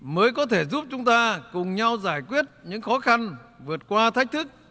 mới có thể giúp chúng ta cùng nhau giải quyết những khó khăn vượt qua thách thức